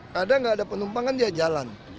kadang nggak ada penumpang kan dia jalan